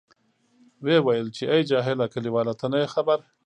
ویې ویل، چې آی جاهله کلیواله ته نه یې خبر.